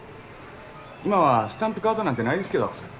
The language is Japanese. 今はスタンプカードなんてないですけど。